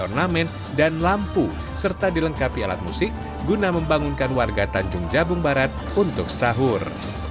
ornamen dan lampu serta dilengkapi alat musik guna membangunkan warga tanjung jabung barat untuk sahur